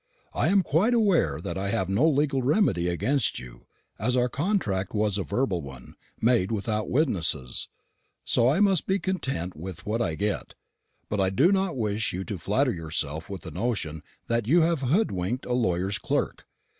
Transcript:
I am quite aware that I have no legal remedy against you, as our contract was a verbal one, made without witnesses; so I must be content with what I get; but I do not wish you to flatter yourself with the notion that you have hoodwinked a lawyer's clerk.